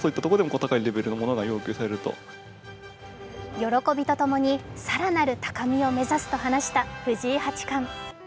喜びと共に更なる高みを目指すと話した藤井八冠。